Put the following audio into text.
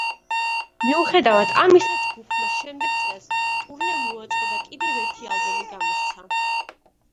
მიუხედავად ამისა, ჯგუფმა შემდეგ წელს ტურნე მოაწყო და კიდევ ერთი ალბომი გამოსცა.